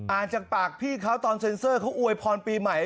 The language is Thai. จากปากพี่เขาตอนเซ็นเซอร์เขาอวยพรปีใหม่